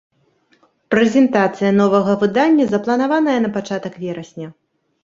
Прэзентацыя новага выдання запланаваная на пачатак верасня!